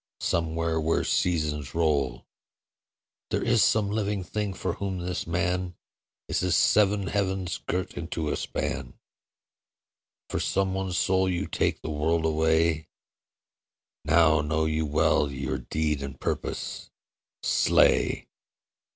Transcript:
somewhere where seasons roll There is some living thing for whom this man Is as seven heavens girt into a span, For some one soul you take the world away Now know you well your deed and purpose. Slay!'